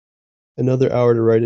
Another hour to write it.